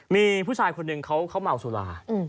มีผู้ชายคนหนึ่งเขาเมาสุรา